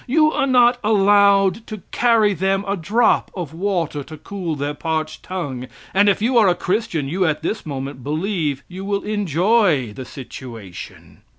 You are not allowed to carry them a drop of water to cool their parched tongue! And if you are a Christian, you at this moment believe you will enjoy the situation!